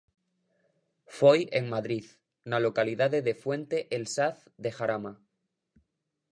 Foi en Madrid, na localidade de Fuente el Saz de Jarama.